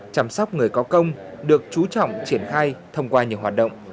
chăm sóc người có công được chú trọng triển khai thông qua nhiều hoạt động